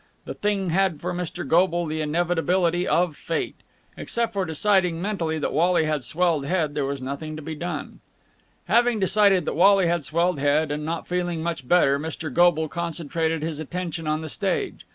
The thing had for Mr. Goble the inevitability of Fate. Except for deciding mentally that Wally had swelled head, there was nothing to be done. Having decided that Wally had swelled head, and not feeling much better, Mr. Goble concentrated his attention on the stage.